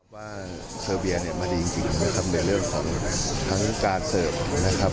ว่าเซอร์เบียเนี่ยมาดีจริงนะครับในเรื่องของทั้งการเสิร์ฟนะครับ